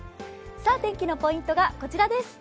天気のポイントがこちらです。